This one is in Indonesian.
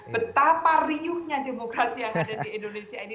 betapa riuhnya demokrasi yang ada di indonesia ini